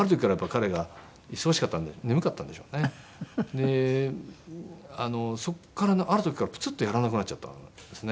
でそこからある時からプツッとやらなくなっちゃったんですね。